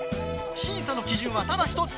審査の基準はただ一つ！